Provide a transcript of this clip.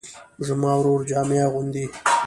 زما ورور جامې اغوندي